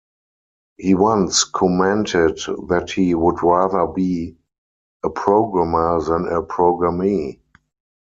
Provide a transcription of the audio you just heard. He once commented that he would rather be "a programmer than a programmee".